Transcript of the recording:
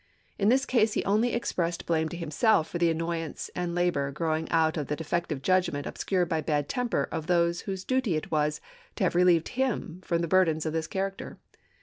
In this case he only expressed blame to himself for the annoy ance and labor growing out of the defective judg ment obscured by bad temper of those whose duty it was to have relieved him from burdens of this character.